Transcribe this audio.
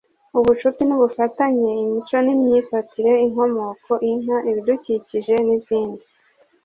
ubucuti n’ubufatanye, imico n’imyifatire, inkomoko, inka, ibidukikije n’izindi.